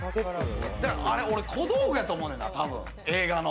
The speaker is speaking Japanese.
あれ、小道具やと思うねんな、映画の。